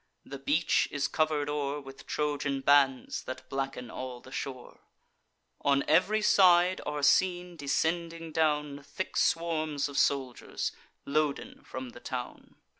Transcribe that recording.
The beach is cover'd o'er With Trojan bands, that blacken all the shore: On ev'ry side are seen, descending down, Thick swarms of soldiers, loaden from the town.